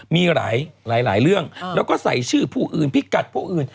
มีหลายเรื่องแล้วก็ใส่ชื่อผู้อื่นพิกัดผู้อื่น